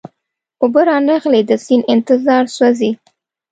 اوبه را نغلې د سیند انتظار سوزي